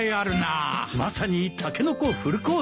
まさにタケノコフルコースですね。